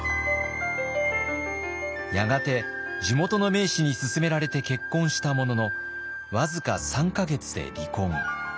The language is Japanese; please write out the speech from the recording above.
やがて地元の名士に勧められて結婚したものの僅か３か月で離婚。